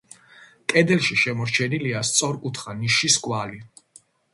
კედელში შემორჩენილია სწორკუთხა ნიშის კვალი.